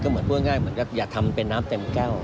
ก็เหมือนพูดง่ายอย่าทำเป็นน้ำเต็มแก้ว